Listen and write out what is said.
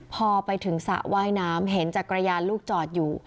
พอไปถึงสระว่ายน้ำเห็นจักรยานลูกจอดอยู่